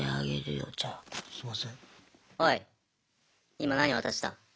今何渡した？